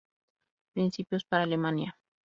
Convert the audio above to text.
Principios para Alemania".